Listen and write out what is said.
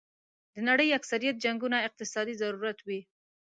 د نړۍ اکثریت جنګونه اقتصادي ضرورت وي.